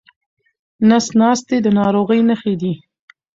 نس ناستي د ناروغۍ نښې دي.